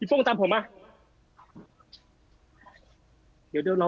พี่โฟงตามผมมา